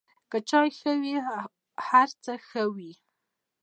که چای ښه وي، هر څه ښه وي.